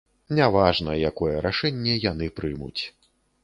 Не важна, якое рашэнне яны прымуць.